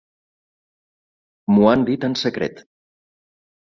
M'ho han dit en secret.